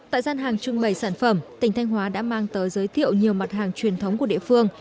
tại gian hàng trưng bày sản phẩm tỉnh thanh hóa đã mang tới giới thiệu nhiều mặt hàng truyền thống của địa phương